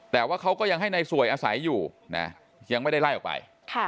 แต่ว่าเขาก็ยังให้นายสวยอาศัยอยู่นะยังไม่ได้ไล่ออกไป